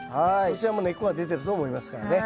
こちらも根っこが出てると思いますからね。